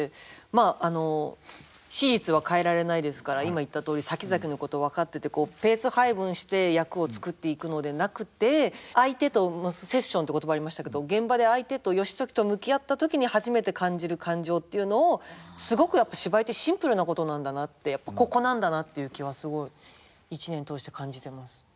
まああの史実は変えられないですから今言ったとおりさきざきのことを分かっててペース配分して役を作っていくのでなくて相手とセッションって言葉ありましたけど現場で相手と義時と向き合った時に初めて感じる感情っていうのをすごくやっぱ芝居ってシンプルなことなんだなってここなんだなっていう気はすごい１年通して感じてます。